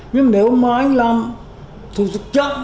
nhưng nếu mà anh làm thủ tục chậm